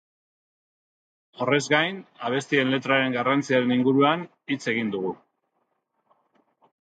Horrez gain, abestien letraren garrantziaren inguruan hitz egin dugu.